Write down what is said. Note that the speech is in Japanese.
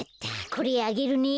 これあげるね。